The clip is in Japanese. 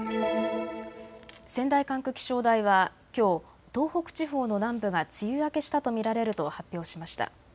仙台管区気象台はきょう東北地方の南部が梅雨明けしたと見られると発表しました。